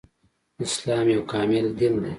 اسلام يو کامل دين دی